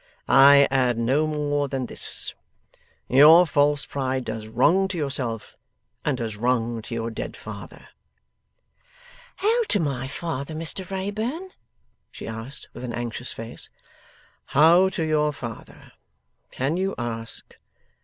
I add no more than this. Your false pride does wrong to yourself and does wrong to your dead father.' 'How to my father, Mr Wrayburn?' she asked, with an anxious face. 'How to your father? Can you ask!